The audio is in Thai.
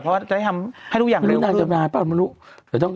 เพราะว่าจะได้ทำให้ทุกอย่างเร็วนานจำนาญป่ะมนุษย์แต่ต้อง